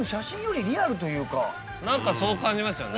何かそう感じますよね。